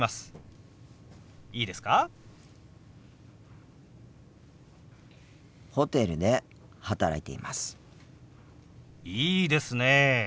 いいですねえ。